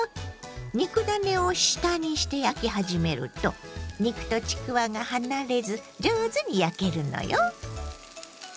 肉ダネを下にして焼き始めると肉とちくわが離れず上手に焼けるのよ。